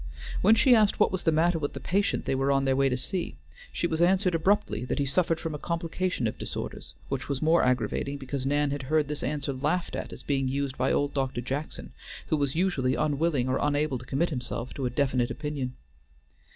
When she asked what was the matter with the patient they were on their way to see, she was answered abruptly that he suffered from a complication of disorders, which was the more aggravating because Nan had heard this answer laughed at as being much used by old Dr. Jackson, who was usually unwilling or unable to commit himself to a definite opinion.